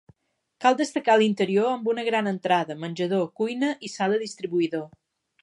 Cal destacar l'interior amb una gran entrada, menjador, cuina i sala distribuïdor.